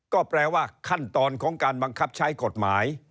ก็แปลว่าขั้นตอนของการบังคับใช้กฎหมาย